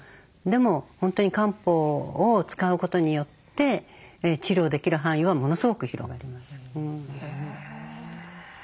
でも本当に漢方を使うことによって治療できる範囲はものすごく広がります。